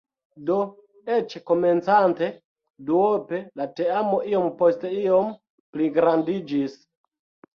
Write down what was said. Do, eĉ komencante duope, la teamo iom post iom pligrandiĝis.